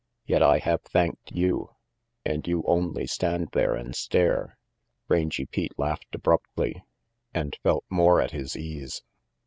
Yet I have thanked you, and you only stand there and stare." Rangy Pete laughed abruptly, and felt more at his ease.